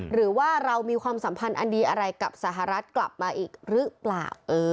หรือว่าเรามีความสัมพันธ์อันดีอะไรกับสหรัฐกลับมาอีกหรือเปล่า